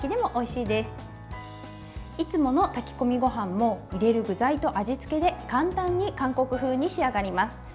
いつもの炊き込みごはんも入れる具材と味付けで簡単に韓国風に仕上がります。